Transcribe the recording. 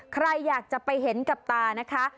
ใครอยากจะไปเห็นกับตานะคะ